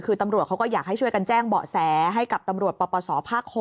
คือตำรวจเขาก็อยากให้ช่วยกันแจ้งเบาะแสให้กับตำรวจปปศภาค๖